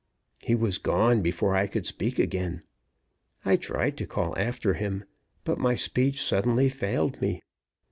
He was gone before I could speak again. I tried to call after him, but my speech suddenly failed me.